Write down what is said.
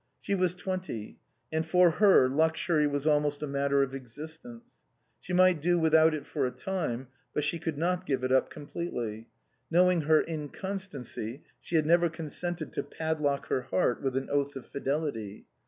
She was twenty, and for her lux ury was almost a matter of existence. She might do with out it for a time, but she could not give it up completely. Knowing her inconstancy, she had never consented to pad lock her heart with an oath of fidelity.